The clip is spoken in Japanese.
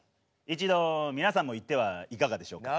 一度皆さんも行ってはいかがでしょうか。